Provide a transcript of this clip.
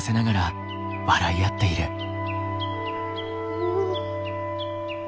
うん。